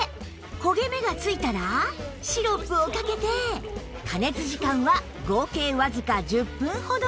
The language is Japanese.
焦げ目がついたらシロップをかけて加熱時間は合計わずか１０分ほど